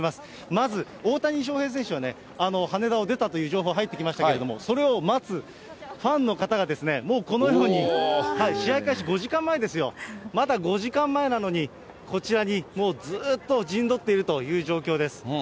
まず大谷翔平選手はね、羽田を出たという情報入ってきましたけれども、それを待つファンの方がもうこのように、試合開始５時間前ですよ、まだ５時間前なのに、こちらにもうずーっと陣取っているという状況です。